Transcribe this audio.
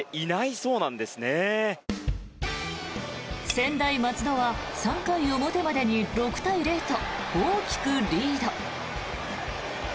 専大松戸は３回表までに６対０と大きくリード。